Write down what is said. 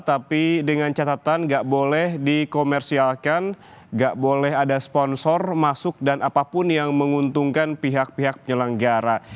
tapi dengan catatan gak boleh dikomersialkan gak boleh ada sponsor masuk dan apapun yang menguntungkan pihak pihak penyelenggara